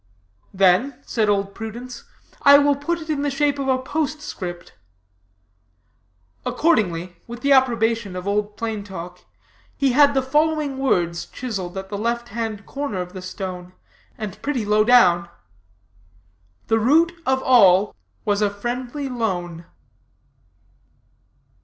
Then,' said Old Prudence, 'I will put it in the shape of a postscript.' Accordingly, with the approbation of Old Plain Talk, he had the following words chiseled at the left hand corner of the stone, and pretty low down: 'The root of all was a friendly loan.'"